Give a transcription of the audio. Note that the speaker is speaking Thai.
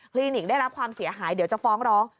ลิกได้รับความเสียหายเดี๋ยวจะฟ้องร้อง